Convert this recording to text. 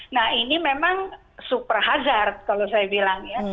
nah ini memang super hazard kalau saya bilang ya